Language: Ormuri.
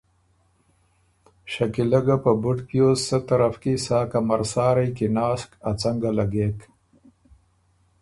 شکیلۀ ګه په بُډ پیوز سۀ طرف کی سا کمرسارئ کی ناسک ا څنګه لګېک۔